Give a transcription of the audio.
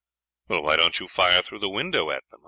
"'Why don't you fire through the window at them?'